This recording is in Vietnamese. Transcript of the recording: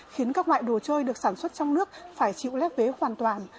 khiến các loại đồ chơi được sản xuất trong nước phải chịu lép vế hoàn toàn